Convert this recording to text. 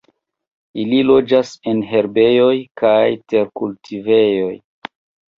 Ili loĝas en herbejoj kaj terkultivejoj.